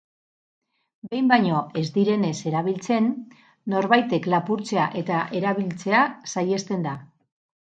Behin baino ez direnez erabiltzen, norbaitek lapurtzea eta erabiltzea saihesten da.